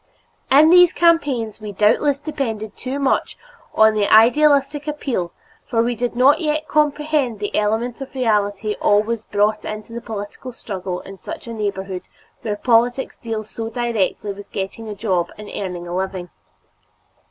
In these campaigns we doubtless depended too much upon the idealistic appeal for we did not yet comprehend the element of reality always brought into the political struggle in such a neighborhood where politics deal so directly with getting a job and earning a living.